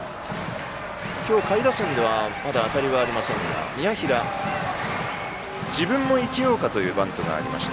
今日、下位打線ではまだ当たりはありませんが宮平、自分も生きようかというバントがありました。